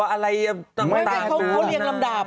ไม่ได้เขาเรียงลำดาบว่ามันเกิดอย่างไร